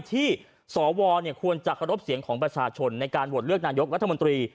ที่สวควรจะเคารพเสียงของประชาชนในการโหวตเลือกนายกรัฐมนตรี